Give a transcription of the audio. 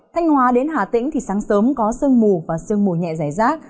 thanh hóa đến hà tĩnh thì sáng sớm có sương mù và sương mù nhẹ giải rác